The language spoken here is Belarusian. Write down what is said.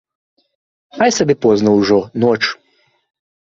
Хай сабе позна ўжо, ноч.